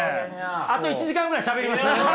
あと１時間ぐらいしゃべります？